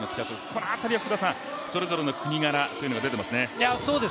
この辺りはそれぞれの国柄というのが出ていますね。